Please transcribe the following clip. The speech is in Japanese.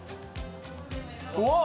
うわっ！